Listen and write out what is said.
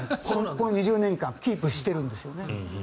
この２０年間キープしているんですよね。